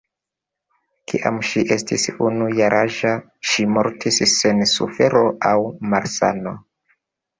Kiam ŝi estis unu jaraĝa, ŝi mortis sen sufero aŭ malsano.